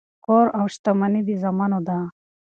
کور او شتمني د زامنو ده.